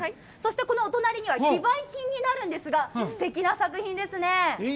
そして、このお隣には非売品になるんですが、すてきな作品ですね。